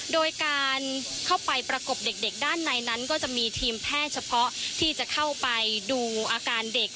โดยการเข้าไปประกบเด็กด้านในนั้นก็จะมีทีมแพทย์เฉพาะที่จะเข้าไปดูอาการเด็ก